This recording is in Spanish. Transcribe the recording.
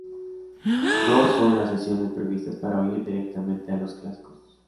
Dos son las sesiones previstas para oír directamente a los clásicos.